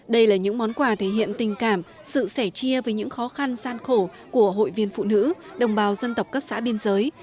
đây là những món quà thể hiện tình cảm sự sẻ chia với những khó khăn gian khổ của hội viên phụ nữ đồng bào dân tộc các xã biên giới